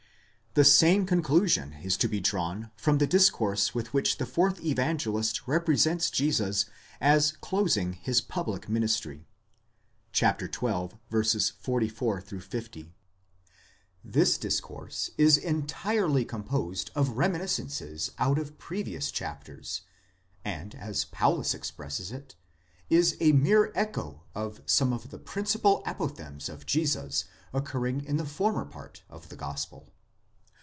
_ The same conclusion is to be drawn from the discourse with which the fourth Evangelist represents Jesus as closing his public ministry (xii. 44 50). This discourse is entirely composed of reminiscences out of previous chapters," and, as Paulus expresses it,!* is a mere echo of some of the principal. apoph thegms of Jesus occurring in the former part of the gospel.